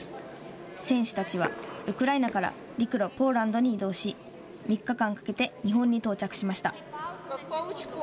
選手たちはウクライナから陸路ポーランドに移動し３日間かけて日本に到着しました。